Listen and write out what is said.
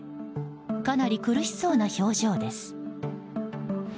かなり苦しそうな表情です。